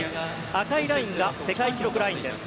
赤いラインが世界記録ラインです。